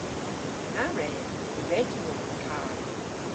Na wredh! Ny wre'ta mos yn karr.